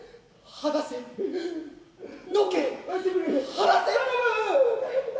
離せ。